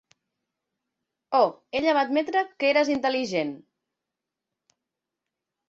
Oh, ella va admetre que eres intel·ligent!